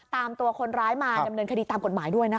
ตามตัวคนร้ายมาดำเนินคดีตามกฎหมายด้วยนะคะ